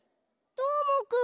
どーもくん！